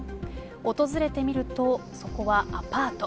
訪れてみるとそこはアパート。